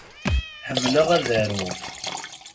Ḥemmleɣ ad aruɣ.